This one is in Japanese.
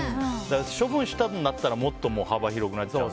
処分したんだったらもっと幅広くなっちゃう。